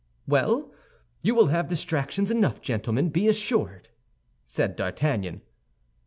"Well, you will have distractions enough, gentlemen, be assured," said D'Artagnan.